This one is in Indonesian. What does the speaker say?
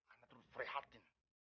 ana terus berehatin